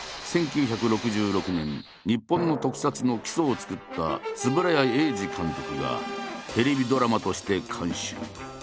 １９６６年日本の特撮の基礎を作った円谷英二監督がテレビドラマとして監修。